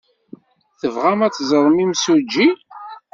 Tebɣam ad teẓrem imsujji?